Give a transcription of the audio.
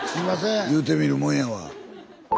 言うてみるもんやわ。